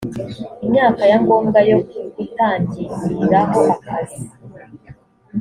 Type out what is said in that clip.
imyaka ya ngombwa yo gutangiriraho akazi